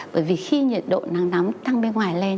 bởi vì khi nhiệt độ nắng nóng tăng bên ngoài lên